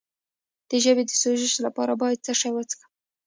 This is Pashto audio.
د ژبې د سوزش لپاره باید څه شی وڅښم؟